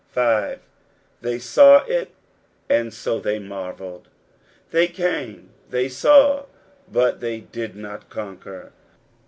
6. " They »aw it, and *a Chey marteUed." They came, they saw, but they did not conquer.